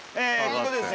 ここでですね。